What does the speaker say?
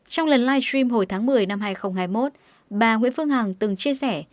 trong lần live stream hồi tháng một mươi năm hai nghìn hai mươi một bà nguyễn phương hằng từng chia sẻ